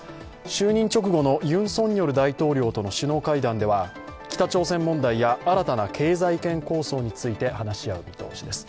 就任直後のユン・ソンニョル大統領との首脳会談では北朝鮮問題や新たな経済圏構想について話し合う見通しです。